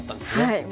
はい。